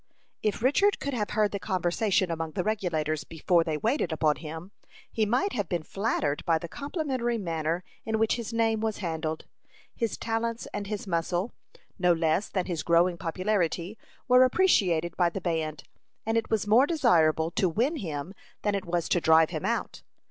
If Richard could have heard the conversation among the Regulators before they waited upon him, he might have been flattered by the complimentary manner in which his name was handled. His talents and his muscle, no less than his growing popularity, were appreciated by the band, and it was more desirable to win him than it was to drive him out.